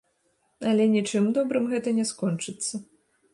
Але нічым добрым гэта не скончыцца.